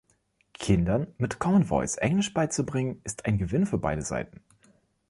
Kindern mit Common Voice Englisch beizubringen ist ein Gewinn für beide Seiten.